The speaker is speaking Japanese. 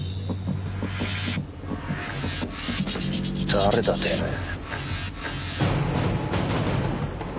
誰だてめえ。